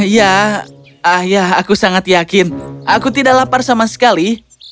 ya ayah aku sangat yakin aku tidak lapar sama sekali